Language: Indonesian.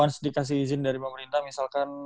harus dikasih izin dari pemerintah misalkan